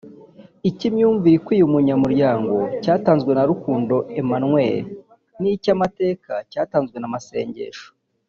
icy’ imyumvire ikwiye umunyamuryango cyatanzewe na Rukundo Emmanuel n’ icy’ amateka cyatanzwe na Masengesho